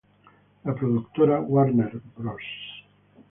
La productora Warner Bros.